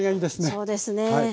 そうですね。